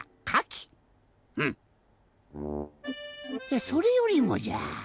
いやそれよりもじゃ。